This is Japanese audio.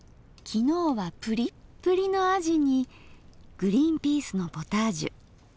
昨日はプリップリのあじにグリンピースのポタージュ。